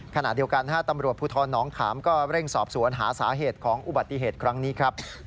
ขณะเดียวกันตำรวจภูทรน้องขามก็เร่งสอบสวนหาสาเหตุของอุบัติเหตุครั้งนี้ครับ